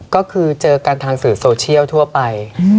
ก็คือเจอกันทางสื่อโซเชียลทั่วไป